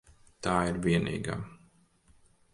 Tā ir vienīgā.